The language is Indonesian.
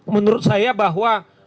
menurut saya bahwa